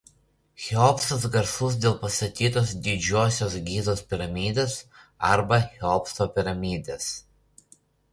Cheopsas garsus dėl pastatytos Didžiosios Gizos piramidės arba Cheopso piramidės.